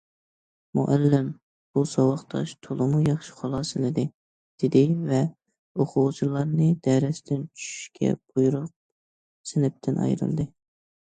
مۇئەللىم:« بۇ ساۋاقداش تولىمۇ ياخشى خۇلاسىلىدى» دېدى ۋە ئوقۇغۇچىلارنى دەرستىن چۈشۈشكە بۇيرۇپ سىنىپتىن ئايرىلدى.